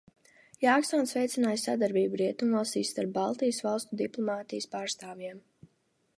Jāksons veicināja sadarbību Rietumvalstīs starp Baltijas valstu diplomātijas pārstāvjiem.